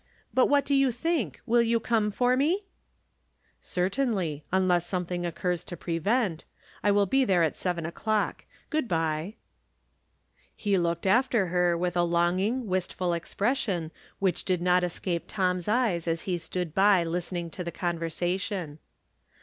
But what do you think, will you come for me ?" "Certainly, unless something occurs to pre vent. I will be there at seven o'clock. Good by." He looked after her with a longing, wistful ex pression, which did not escape Tom's eyes as he stood by listening to the conversation.